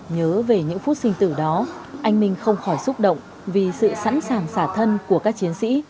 nhớ về những phút sinh tử đó anh minh không khỏi xúc động vì sự sẵn sàng xả thân của các chiến sĩ